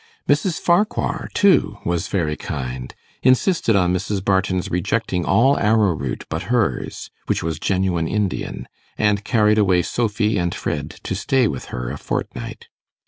Mrs. Farquhar, too, was very kind; insisted on Mrs. Barton's rejecting all arrowroot but hers, which was genuine Indian, and carried away Sophy and Fred to stay with her a fortnight.